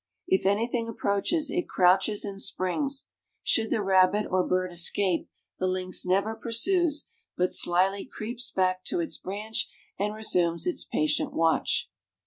If anything approaches, it crouches and springs. Should the rabbit or bird escape, the lynx never pursues, but slyly creeps back to its branch, and resumes its patient watch.